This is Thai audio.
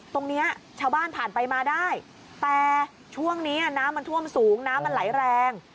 ตรงนี้ชาวบ้านผ่านไปมาได้แต่ช่วงนี้น้ำมันท่วมสูงน้ำมันไหลแรง